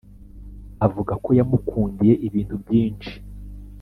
avuga ko yamukundiye ibintu byinshi